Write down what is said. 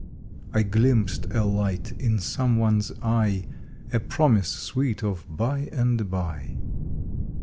I glimpsed a light in some one s eye, A promise sweet of "by and by."